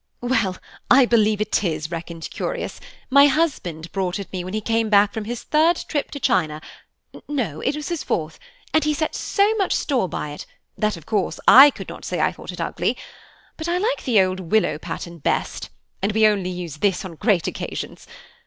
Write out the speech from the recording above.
"Well, I believe it is reckoned curious; my husband brought it me when he came back from his third trip to China–no, it was his fourth, and he set so much store by it, that, of course, I could not say I thought it ugly; but I like the old willow pattern best, and we only use this on great occasions.